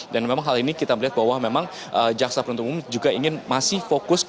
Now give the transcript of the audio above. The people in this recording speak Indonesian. dan memang hal ini kita melihat bahwa memang jaksa penentu umum juga ingin masih fokus